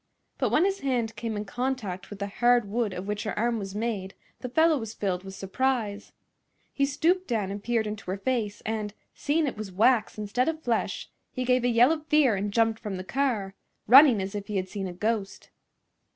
But when his hand came in contact with the hard wood of which her arm was made the fellow was filled with surprise. He stooped down and peered into her face, and, seeing it was wax instead of flesh, he gave a yell of fear and jumped from the car, running as if he had seen a ghost.